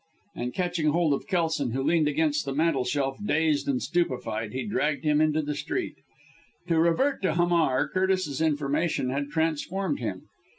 And catching hold of Kelson, who leaned against the mantelshelf, dazed and stupefied, he dragged him into the street. To revert to Hamar. Curtis's information had transformed him.